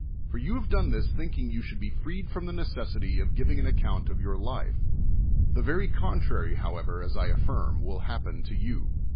For you have done this thinking you should be freed from the ne cessity of giving an account of your life. The very cojitrary however, as I affirm, will happen to you.